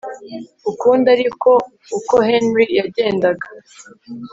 ukundi ariko uko Henry yagendaga